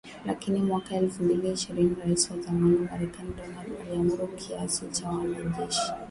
Lakini mwaka elfu mbili ishirini Rais wa zamani Marekani Donald Trump aliamuru kiasi cha wanajeshi mia saba hamsini wa Marekani nchini Somalia.